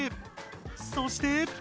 そして。